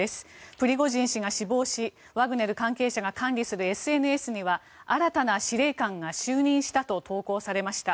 プリゴジン氏が死亡しワグネル関係者が管理するＳＮＳには新たな司令官が就任したと投稿されました。